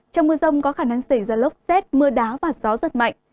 trong mưa rông có khả năng xảy ra lốc xét mưa đá và gió rất mạnh